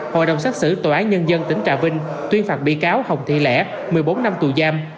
hội đồng xác xử tòa án nhân dân tỉnh trà vinh tuyên phạt bị cáo hồng thị lẽ một mươi bốn năm tù giam